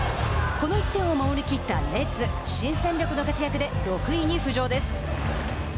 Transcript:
この１点を守りきったレッズ新戦力の活躍で６位に浮上です。